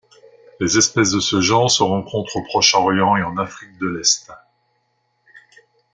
Les espèces de ce genre se rencontrent au Proche-Orient et en Afrique de l'Est.